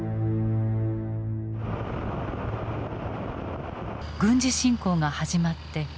軍事侵攻が始まって１年。